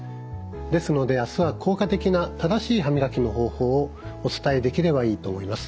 ですので明日は効果的な正しい歯磨きの方法をお伝えできればいいと思います。